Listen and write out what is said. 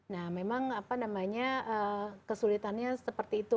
nah memang apa namanya kesulitannya seperti itu